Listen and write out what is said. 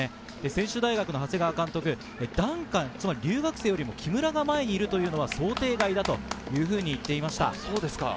専修大学の長谷川監督、ダンカン、留学生よりも木村が前にいるというのは想定外だというふうに言っていました。